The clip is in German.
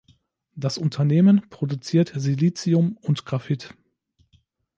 Das Unternehmen produziert Silicium und Graphit.